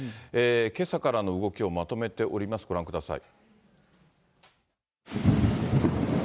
けさからの動きをまとめております、ご覧ください。